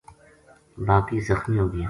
باقی زخمی ہو گیا